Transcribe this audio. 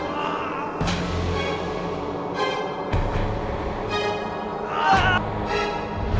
ada yang maling ini